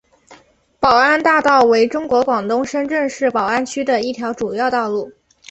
宝安大道为中国广东深圳市宝安区的一条主要道路。